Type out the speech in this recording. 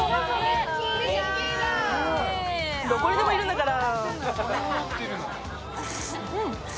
どこにでもいるんだから。